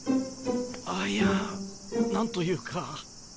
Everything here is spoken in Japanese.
あいや何と言うか。